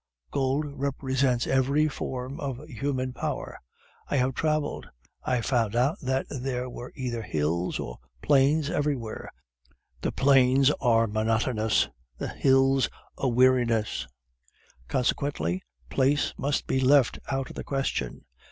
Gold represents every form of human power. I have traveled. I found out that there were either hills or plains everywhere: the plains are monotonous, the hills a weariness; consequently, place may be left out of the question.